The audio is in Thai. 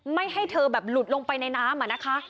ไม่ให้เธอแบบหลุดลงไปในน้ำอะนะคะ